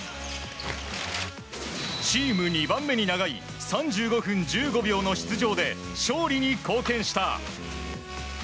チーム２番目に長い３５分１５秒の出場で勝利に貢献した。